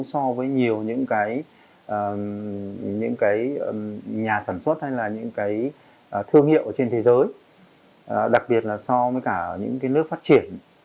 so với nhiều những cái nhà sản xuất hay là những cái thương hiệu trên thế giới đặc biệt là so với cả những nước phát triển